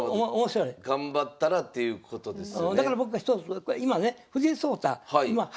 頑張ったらということですよね。